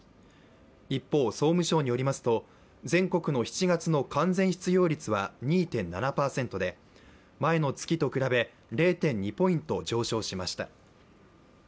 一方、総務省によりますと全国の７月の完全失業率は２．７％で前の月と比べ、０．２ポイント上昇しました。